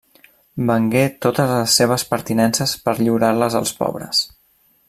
Vengué totes les seves pertinences per lliurar-les als pobres.